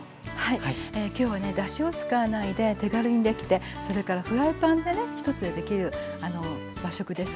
きょうはねだしを使わないで手軽にできてそれからフライパンでね１つでできる和食です。